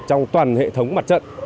trong toàn hệ thống mặt trận